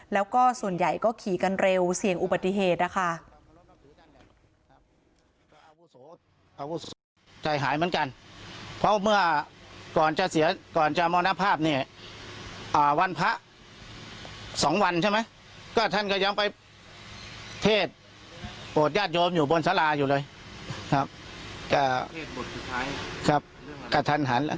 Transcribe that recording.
แล้วก็ส่วนใหญ่ก็ขี่กันเร็วเสี่ยงอุบัติเหตุนะคะ